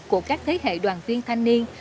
của các thế hệ đoàn viên thanh niên